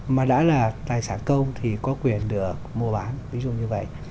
mà đã là tài sản công thì có quyền được mua bán ví dụ như vậy